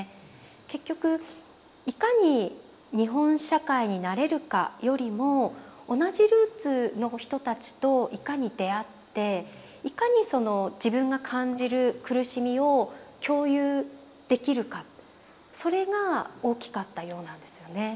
結局いかに日本社会に慣れるかよりも同じルーツの人たちといかに出会っていかにその自分が感じる苦しみを共有できるかそれが大きかったようなんですよね。